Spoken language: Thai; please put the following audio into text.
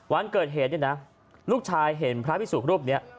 วันเกิดเหตุลูกชายเห็นพระพิสูจน์รูปนี้